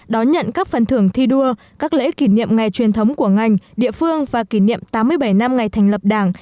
đón nhận các phần thưởng thi đua các lễ kỷ niệm ngày truyền thống của ngành địa phương và kỷ niệm tám mươi bảy năm ngày thành lập đảng